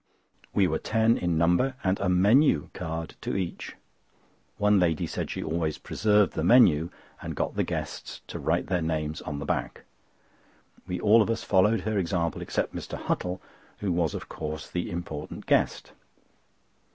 We were ten in number, and a menû card to each. One lady said she always preserved the menû and got the guests to write their names on the back. We all of us followed her example, except Mr. Huttle, who was of course the important guest.